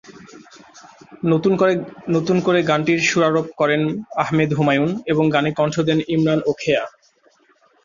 নতুন করে গানটির সুরারোপ করেন আহমেদ হুমায়ুন এবং গানে কণ্ঠ দেন ইমরান ও খেয়া।